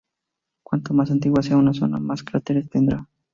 Cuanto más antigua sea una zona, más cráteres tendrá.